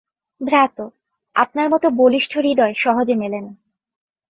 ভ্রাতঃ, আপনার মত বলিষ্ঠ হৃদয় সহজে মেলে না।